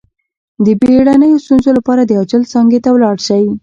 د بیړنیو ستونزو لپاره د عاجل څانګې ته لاړ شئ